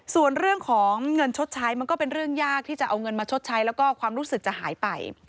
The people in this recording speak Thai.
ส่วนเรื่องของเงินชดใช้มันก็เป็นเรื่องยากที่จะเอาเงินมาชดใช้แล้วก็ความรู้สึกจะหายไป